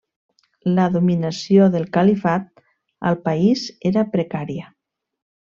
La dominació del califat al país era precària.